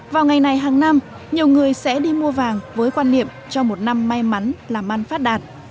vào ngày này hàng năm nhiều người sẽ đi mua vàng với quan niệm cho một năm may mắn làm ăn phát đạt